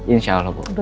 insya allah bu